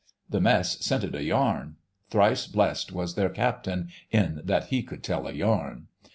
The Mess scented a yarn; thrice blessed was their Captain in that he could tell a yarn.